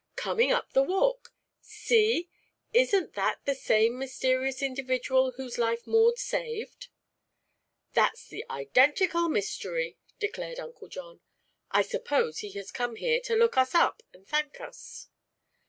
"Coming up the walk. See! Isn't that the same mysterious individual whose life Maud saved?" "That's the identical mystery," declared Uncle John. "I suppose he has come here to look us up and thank us."